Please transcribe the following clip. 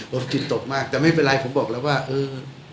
คนกินตกมากแต่ไม่เป็นไรผมบอกแล้วว่าเออ